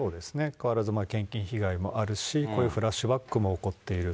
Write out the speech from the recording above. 変わらず献金被害もあるし、こういうフラッシュバックも起こっている。